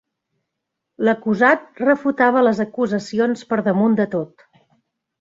L'acusat refutava les acusacions per damunt de tot.